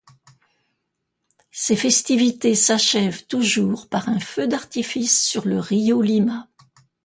Ces festivités s'achèvent toujours par un feu d'artifice sur le Rio Lima.